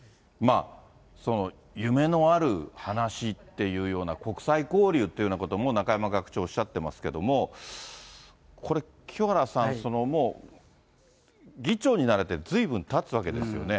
夢のある話っていうような、国際交流っていうようなことも、中山学長、おっしゃっていますけれども、これ、清原さん、もう、議長になられてずいぶんたつわけですよね。